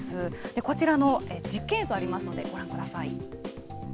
こちらの実験映像ありますので、ご覧ください。